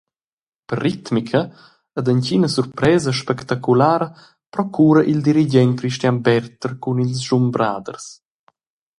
Per ritmica ed entgina surpresa spectaculara procura il dirigent Christian Berther cun ils schumbraders.